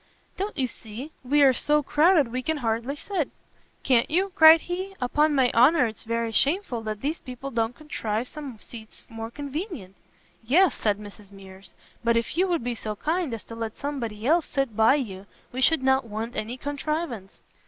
"Don't you see? we are so crowded we can hardly sit." "Can't you?" cried he, "upon my honour it's very shameful that these people don't contrive some seats more convenient." "Yes," said Mrs Mears; "but if you would be so kind as to let somebody else sit by you we should not want any contrivance."